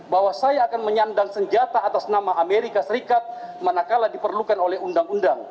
bahwa saya akan menyandang senjata atas nama amerika serikat manakala diperlukan oleh undang undang